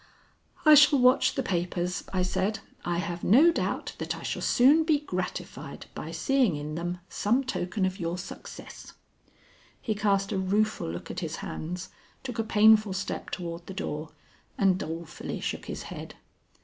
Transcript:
"I shall watch the papers," I said. "I have no doubt that I shall soon be gratified by seeing in them some token of your success." He cast a rueful look at his hands, took a painful step toward the door, and dolefully shook his head.